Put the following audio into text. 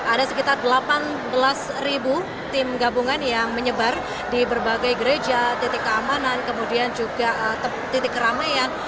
ada sekitar delapan belas ribu tim gabungan yang menyebar di berbagai gereja titik keamanan kemudian juga titik keramaian